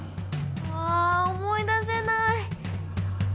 あ思い出せない！